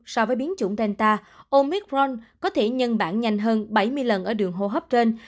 so với biến chủng delta omicron có thể nhân bản nhanh hơn bảy mươi lần ở đường hô hấp trên